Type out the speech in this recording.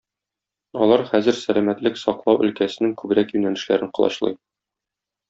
Алар хәзер сәламәтлек саклау өлкәсенең күбрәк юнәлешләрен колачлый